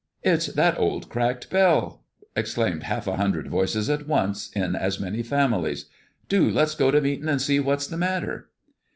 "It's that old cracked bell!" exclaimed half a hundred voices at once, in as many families. "Do let's go to meetin' an' see what's the matter."